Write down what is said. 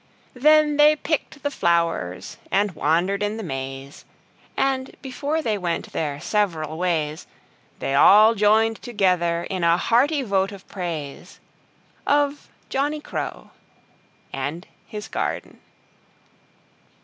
Then they picked the Flowers, and Wandered in the Maze, And before they went their several ways They all joined together In a Hearty Vote of Praise Of Johnny Crow and his Garden.